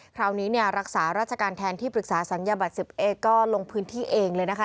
คราวนี้เนี่ยรักษาราชการแทนที่ปรึกษาศัลยบัตร๑๑ก็ลงพื้นที่เองเลยนะคะ